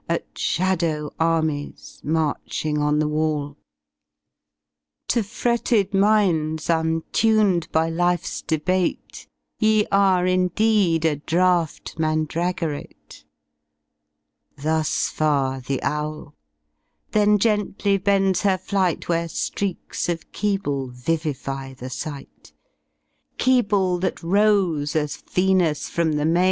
At shadow armies, marching on the wall; 84 To fretted fninds, untuned by Life*s debate, Te are, indeed^ a draught mandragorateV Thus far the Ozvl; then gently bends her flight Where Streaks of Keble vivify the sight; Kebie that rose, as Venus from the mam.